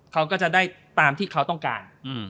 เขาก็จะได้ตามที่เขาต้องการ